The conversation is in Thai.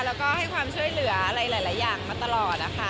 แล้วก็ให้ความช่วยเหลืออะไรหลายอย่างมาตลอดนะคะ